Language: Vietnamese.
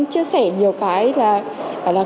chia sẻ nhiều cái là